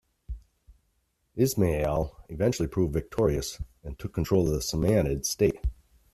Isma'il eventually proved victorious, and took control of the Samanid state.